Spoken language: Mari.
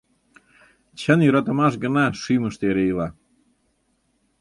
Чын йӧратымаш гына Шӱмыштӧ эре ила.